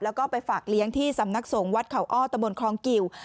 แล้วก็ไปฝากเลี้ยงที่สำนักสงฆ์วัดเขาอ้อตะบนคลองกิว